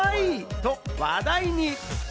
と話題に。